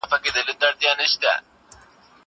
زه پرون سبا ته فکر کوم!!